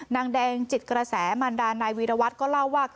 นางแดงจิตกระแสมันดานายวีรวัตรก็เล่าว่า